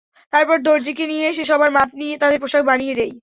তারপর দরজিকে নিয়ে এসে সবার মাপ নিয়ে তাদের পোশাক বানিয়ে দিই।